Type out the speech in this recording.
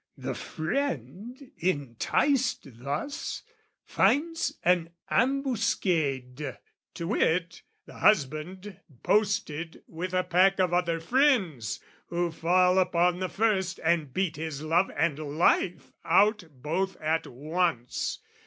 The friend, enticed thus, finds an ambuscade, To wit, the husband posted with a pack Of other friends, who fall upon the first And beat his love and life out both at once.